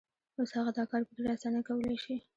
اوس هغه دا کار په ډېرې اسانۍ کولای شي.